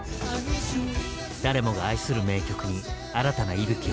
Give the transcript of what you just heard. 誰もが愛する名曲に新たな息吹を。